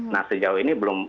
nah sejauh ini belum